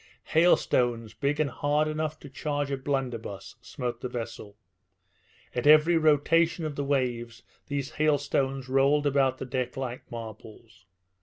Hailstones, big and hard enough to charge a blunderbuss, smote the vessel; at every rotation of the waves these hailstones rolled about the deck like marbles.